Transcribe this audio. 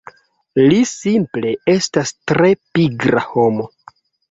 Li simple estas tre pigra homo